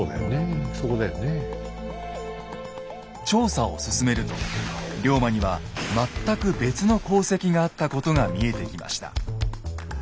調査を進めると龍馬には全く別の功績があったことが見えてきました。